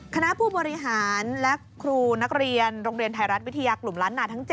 คณะผู้บริหารและครูนักเรียนโรงเรียนไทยรัฐวิทยากลุ่มล้านนาทั้ง๗